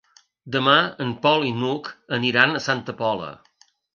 Demà en Pol i n'Hug aniran a Santa Pola.